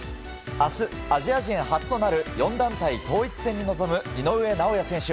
明日、アジア人初となる４団体統一戦に臨む井上尚弥選手。